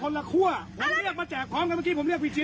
พร้อมกันคนละครัวผมเรียกมาแจกพร้อมกันเมื่อกี้ผมเรียกวิชิน